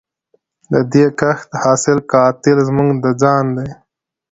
د دې کښت حاصل قاتل زموږ د ځان دی